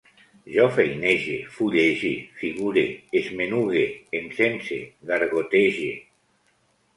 Jo feinege, fullege, figure, esmenugue, encense, gargotege